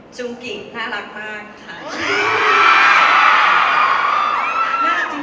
จูงกิ๋นน่ารักมาก